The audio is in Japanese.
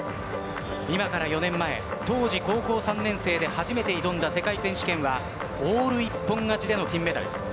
今から４年前、当時高校３年生で初めて挑んだ世界選手権はオール一本勝ちでの金メダル。